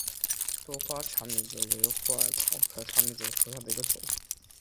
多花茶藨子为虎耳草科茶藨子属下的一个种。